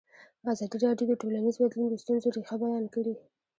ازادي راډیو د ټولنیز بدلون د ستونزو رېښه بیان کړې.